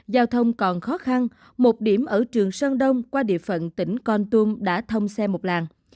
giao thông còn khó khăn một điểm ở trường sơn đông qua địa phận tỉnh con tum đã thông xe một làng